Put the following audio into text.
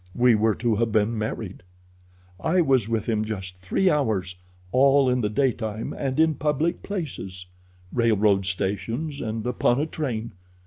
We were to have been married. "I was with him just three hours. All in the daytime and in public places—railroad stations and upon a train.